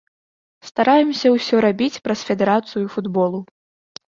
Стараемся ўсё рабіць праз федэрацыю футболу.